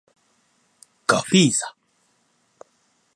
ガフィーザ